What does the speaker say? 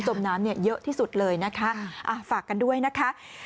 มน้ำเนี่ยเยอะที่สุดเลยนะคะฝากกันด้วยนะคะ